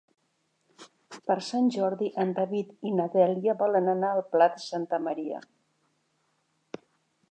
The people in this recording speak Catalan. Per Sant Jordi en David i na Dèlia volen anar al Pla de Santa Maria.